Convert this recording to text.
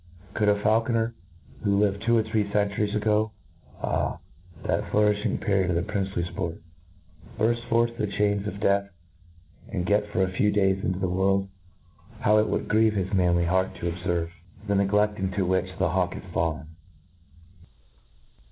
Could a faulconer, who lived two or three centuries ago— ah ! that flourifhing pe riod of the princely fport! burft the chains of death, and get for a few days iqto the world how it would grieve his manly heart, to obfervc the 4b i N t R 6 D 17 c t i b k' i the negled into which the hawk is fallen